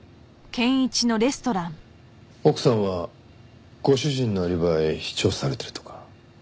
奥さんはご主人のアリバイ主張されているとか。